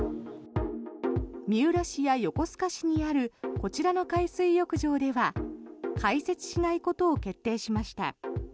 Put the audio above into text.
三浦市や横須賀市にあるこちらの海水浴場では開設しないことを決定しました。